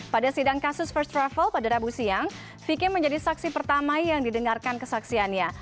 pada sidang kasus first travel pada rabu siang vicky menjadi saksi pertama yang didengarkan kesaksiannya